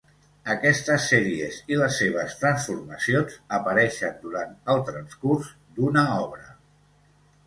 Aquestes sèries i les seves transformacions apareixen durant el transcurs d'una obra.